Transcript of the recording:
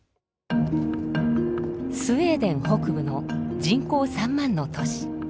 スウェーデン北部の人口３万の都市。